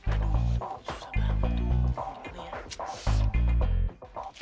aduh susah banget tuh